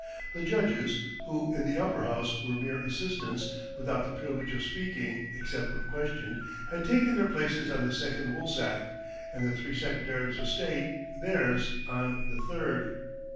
The judges who in the Upper House were mere assistants, without the privilege of speaking, except when questioned had taken their places on the second woolsack; and the three Secretaries of State theirs on the third.